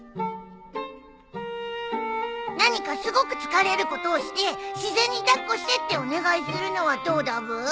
何かすごく疲れることをして自然に抱っこしてってお願いするのはどうだブー。